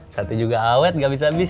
satu juga awet gak bisa abis